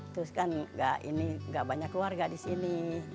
terus kan ini nggak banyak warga di sini